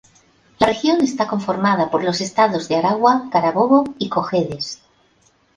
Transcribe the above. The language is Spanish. La región está conformada por los estados Aragua, Carabobo y Cojedes.